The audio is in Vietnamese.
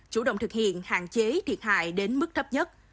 chủ động thực hiện hạn chế thiệt hại đến mức thấp nhất